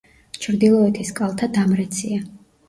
ჩრდილოეთის კალთა დამრეცია.